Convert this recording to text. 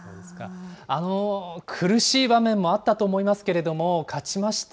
苦しい場面もあったと思いますけれども、勝ちました。